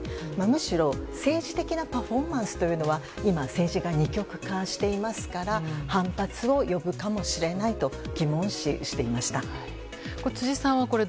むしろ政治的なパフォーマンスは今、政治が二極化していますから反発を呼ぶかもしれないと疑問視していました。